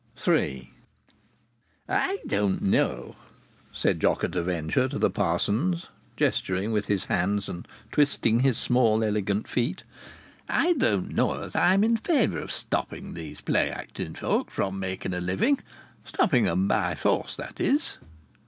III "I don't know," said Jock at a Venture to the parsons, gesturing with his hands and twisting his small, elegant feet, "I don't know as I'm in favour of stopping these play acting folk from making a living; stopping 'em by force, that is."